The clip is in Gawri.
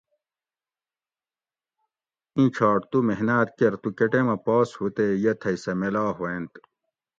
ایں چھاٹ تو محناۤت کر تو کہۤ ٹیمہ پاس ھو تے یہ تھئ سہ میلا ھویٔنت